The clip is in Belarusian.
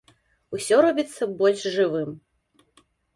Усё робіцца больш жывым.